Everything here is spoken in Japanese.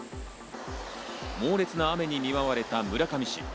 猛烈な雨に見舞われた村上市。